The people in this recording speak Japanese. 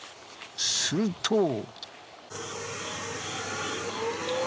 すると。